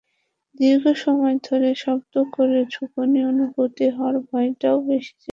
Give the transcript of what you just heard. দীর্ঘ সময় ধরে শব্দ করে ঝাঁকুনি অনুভূত হওয়ায় ভয়টাও বেশি ছিল।